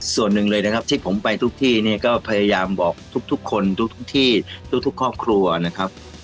ส่วนหนึ่งเลยนะครับที่ผมไปทุกที่เนี่ยก็พยายามบอกทุกคนทุกที่ทุกครอบครัวนะครับ